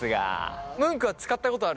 ムンクは使ったことある？